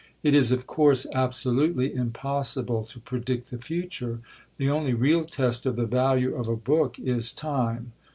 It is, of course, absolutely impossible to predict the future; the only real test of the value of a book is Time.